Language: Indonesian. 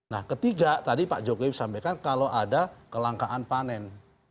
nah ketiga tadi pak jokowi sampaikan kalau ada kelangkaan panen